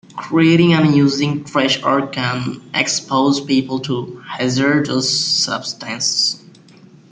Creating and using trash art can expose people to hazardous substances.